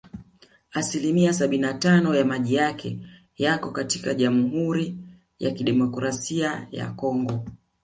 Asilia sabini na tano ya maji yake yako katika Jamhuri ya Kidemokrasia ya Kongo